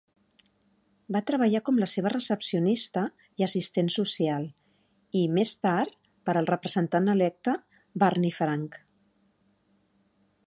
Va treballar com la seva recepcionista i assistent social i, més tard, per al representant electe Barney Frank.